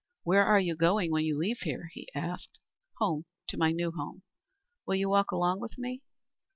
"Where are you going when you leave here?" he asked. "Home to my new home. Will you walk along with me?"